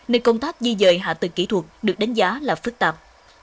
nên công tác di dời hạ tầng kỹ thuật được đánh giá là phức tạp